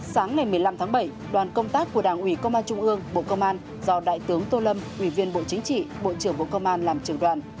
sáng ngày một mươi năm tháng bảy đoàn công tác của đảng ủy công an trung ương bộ công an do đại tướng tô lâm ủy viên bộ chính trị bộ trưởng bộ công an làm trường đoàn